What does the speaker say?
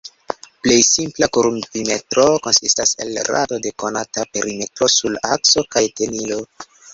Plej simpla kurvimetro konsistas el rado de konata perimetro sur akso kaj tenilo.